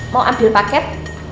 mau ambil paket